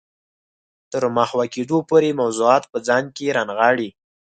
تر محوه کېدو پورې موضوعات په ځان کې رانغاړي.